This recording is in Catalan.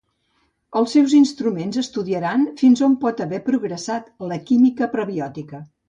Els seus instruments estudiaran fins on pot haver progressat la química prebiòtica.